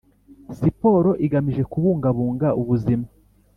Siporo igamije kubungabunga ubuzima